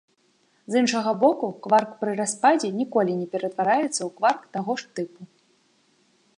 З іншага боку, кварк пры распадзе ніколі не ператвараецца ў кварк таго ж тыпу.